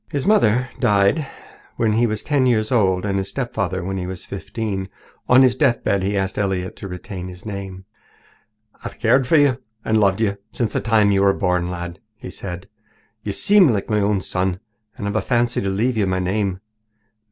His mother had died when he was ten years old and his stepfather when he was fifteen. On his deathbed he asked Elliott to retain his name. "I've cared for you and loved you since the time you were born, lad," he said. "You seem like my own son, and I've a fancy to leave you my name.